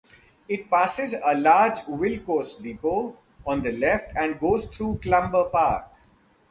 It passes a large Wilkos depot on the left and goes through Clumber Park.